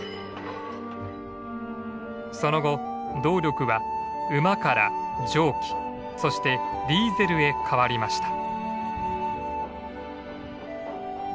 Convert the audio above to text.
その後動力は馬から蒸気そしてディーゼルへ変わりました。